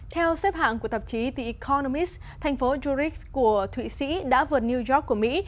theo xếp hạng của tạp chí the economist thành phố zurich của thụy sĩ đã vượt new york của mỹ